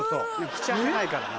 口開けないからな。